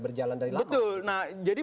berjalan dari betul nah jadi